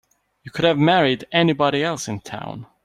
You could have married anybody else in town.